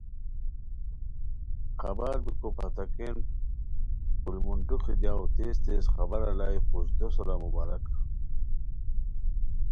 خبار بیکو پھتاکین پولمونڈوخی دیاؤ تیز تیز خبر الائے قوژدو سورا مبارک